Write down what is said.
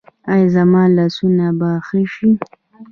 ایا زما لاسونه به ښه شي؟